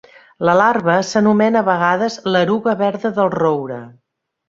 La larva s'anomena a vegades l'eruga verda del roure.